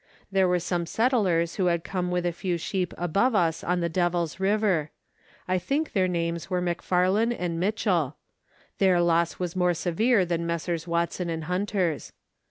There were some settlers who had come with a few sheep above us on the Devil's River. I think their names were McFarlane and Mitchell ; their loss was more severe than Messrs. Watson and Hunter's.